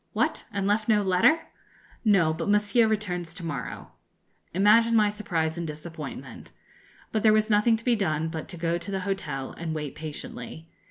'What! and left no letter?' 'No; but Monsieur returns to morrow.' Imagine my surprise and disappointment! But there was nothing to be done but to go to the hotel and wait patiently.